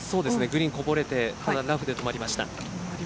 グリーンこぼれてラフで止まりました。